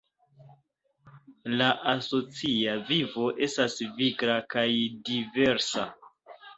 La asocia vivo estas vigla kaj diversa.